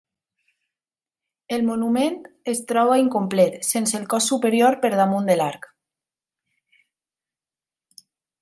El monument es troba incomplet, sense el cos superior per damunt de l'arc.